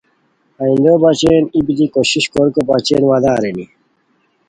آئیندوبچین ای بیتی کوشش کوریکو بچین وعدہ ارینی